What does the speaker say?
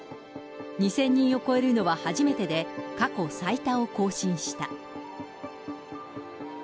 ２０００人を超えるのは初めてで、過去最多を更新した。